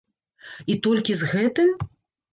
І толькі з гэтым?